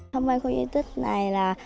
thông qua khuôn viên di tích này là